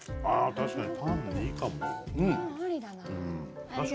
ああ確かに。